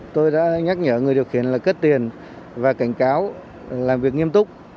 tôi đã nhắc nhở người điều khiển là cất tiền và cảnh cáo làm việc nghiêm túc